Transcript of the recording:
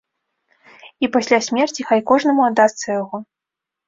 І пасля смерці хай кожнаму аддасца яго.